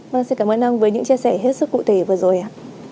vâng xin cảm ơn ông với những chia sẻ hết sức cụ thể vừa rồi ạ